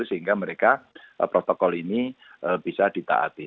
sehingga mereka protokol ini bisa ditaati